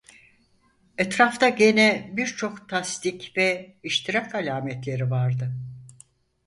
Etrafta gene birçok tasdik ve iştirak alametleri vardı.